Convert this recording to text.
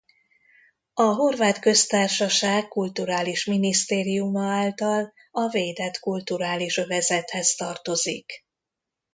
A Horvát Köztársaság Kulturális Minisztériuma által a védett kulturális övezethez tartozik.